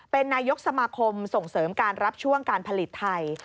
เป็นนายกสมาคมส่งเสริมการรับช่วงการผลิตไทย